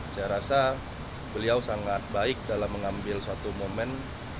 saya rasa beliau sangat baik dalam mengambil suatu momen